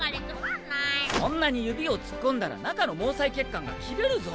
そんなに指を突っ込んだら中の毛細血管が切れるぞ。